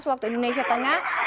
sembilan belas waktu indonesia tengah